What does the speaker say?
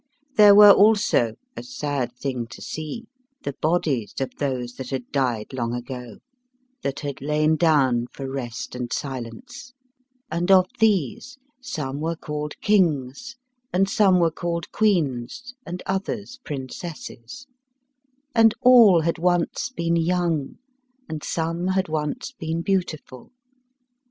There were also, a sad thing to see, the bodies of those that had died long ago, that had lain down for rest and silence; and of these some were called kings, and some were called queens and others princesses; and all had once been young, and some had once been beautiful.